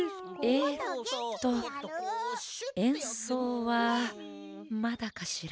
えっとえんそうはまだかしら？